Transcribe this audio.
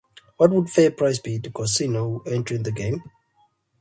What would be a fair price to pay the casino for entering the game?